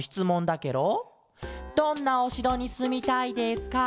「どんなおしろにすみたいですか？